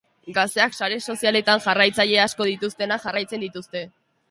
Gazteek sare sozialetan jarrailtzaile asko dituztenak jarraitzen dituzte.